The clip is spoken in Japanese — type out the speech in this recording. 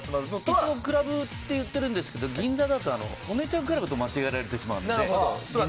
一応クラブと言ってますが銀座だとお姉ちゃんクラブと間違えられてしまうので。